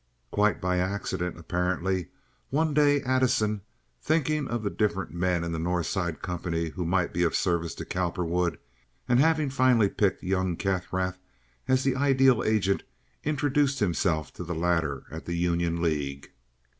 Quite by accident, apparently, one day Addison, thinking of the different men in the North Side company who might be of service to Cowperwood, and having finally picked young Kaffrath as the ideal agent, introduced himself to the latter at the Union League.